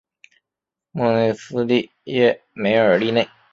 莫内斯蒂耶梅尔利内。